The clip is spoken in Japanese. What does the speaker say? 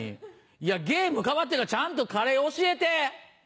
いやゲーム変わってるからちゃんとカレー教えて！